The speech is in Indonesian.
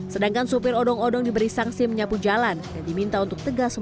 sedangkan supir odong odong diberi sanksi menyapu jalan dan diminta untuk tegas